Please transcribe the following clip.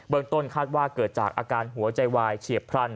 เบื้องต้นคาดว่าเกิดจากอาการหัวใจวายเฉียบพรรณ